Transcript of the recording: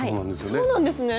そうなんですね。